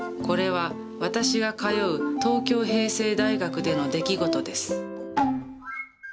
これは私が通う東京平成大学での出来事です。